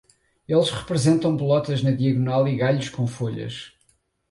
Eles representam bolotas na diagonal e galhos com folhas.